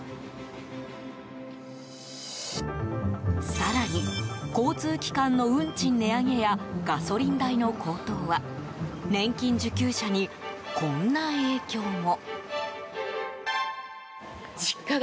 更に、交通機関の運賃値上げやガソリン代の高騰は年金受給者に、こんな影響も。